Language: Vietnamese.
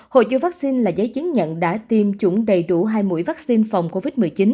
hồ chứa vaccine là giấy chứng nhận đã tiêm chủng đầy đủ hai mũi vaccine phòng covid một mươi chín